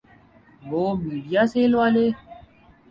وہ میڈیاسیل والے؟